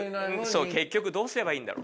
結局どうすればいいんだろう。